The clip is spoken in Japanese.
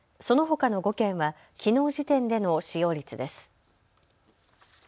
そのほかの５県は、きのう時点での使用率です。